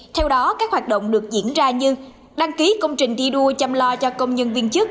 theo đó các hoạt động được diễn ra như đăng ký công trình thi đua chăm lo cho công nhân viên chức